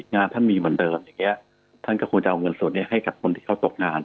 งานท่านมีเหมือนเดิมอย่างเงี้ยท่านก็ควรจะเอาเงินส่วนนี้ให้กับคนที่เขาตกงาน